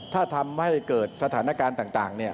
ถ้าทำให้เกิดสถานการณ์ต่างเนี่ย